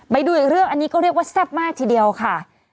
ไปดูอีกเรื่องอันนี้ก็เรียกว่าแซ่บมากทีเดียวค่ะ